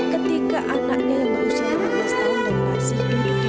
ketika anaknya yang berusia lima belas tahun dan masih